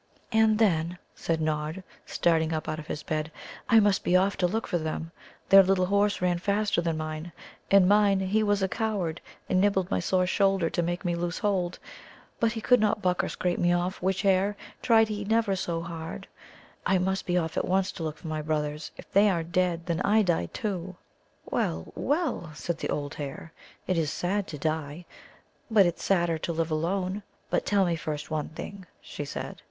"Ah, then," said Nod, starting up out of his bed, "I must be off to look for them. Their Little Horses ran faster than mine. And mine, he was a coward, and nibbled my sore shoulder to make me loose hold. But he could not buck or scrape me off, witch hare, tried he never so hard. I must be off at once to look for my brothers. If they are dead, then I die too." "Well, well," said the old hare, "it's sad to die, but it's sadder to live alone. But tell me first one thing," she said.